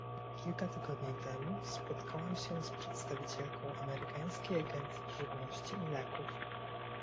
Kilka tygodni temu spotkałam się z przedstawicielką amerykańskiej Agencji Żywności i Leków